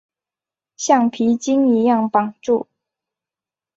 橡皮筋一样绑住